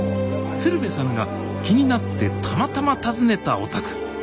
鶴瓶さんが気になってたまたま訪ねたお宅。